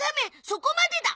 そこまでだ！